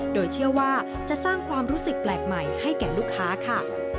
โดยเชื่อว่าจะสร้างความรู้สึกแปลกใหม่ให้แก่ลูกค้าค่ะ